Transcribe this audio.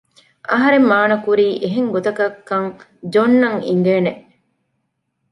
އަހަރެން މާނަ ކުރީ އެހެން ގޮތަކަށް ކަން ޖޮން އަށް އިނގޭނެ